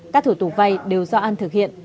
các thủ tục vay đều do an thực hiện